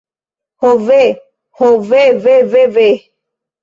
Ho ve. Ho ve ve ve ve.